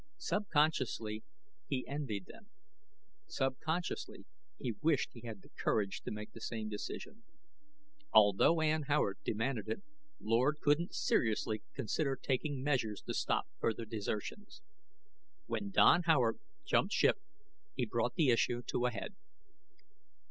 Subconsciously he envied them; subconsciously he wished he had the courage to make the same decision. Although Ann Howard demanded it, Lord couldn't seriously consider taking measures to stop further desertions. When Don Howard jumped ship, he brought the issue to a head.